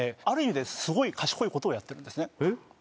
ある意味でスゴい賢いことをやってるんですね